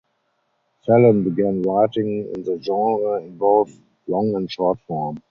Fallon began writing in the genre in both long and short form.